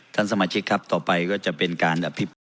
ท่านสมาชิกครับต่อไปก็จะเป็นการอภิปราย